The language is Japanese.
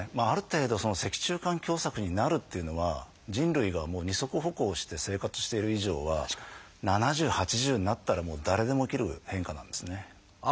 ある程度脊柱管狭窄になるというのは人類が二足歩行をして生活している以上は７０８０になったら誰でも起きる変化なんですね。